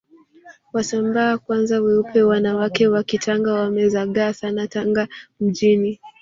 Wasambaa kwanza weupe wanawake wa kitanga wamezagaa Sana Tanga mjini